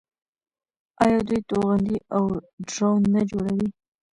آیا دوی توغندي او ډرون نه جوړوي؟